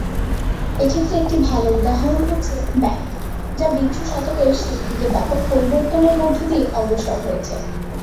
এক্ষেত্রে একটি ভালো উদাহরণ হচ্ছে ব্যাংক, যা বিংশ শতকের শেষ দিকে ব্যাপক পরিবর্তনের মধ্য দিয়ে অগ্রসর হয়েছে।